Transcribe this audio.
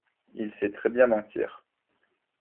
Il sait très bien mentir.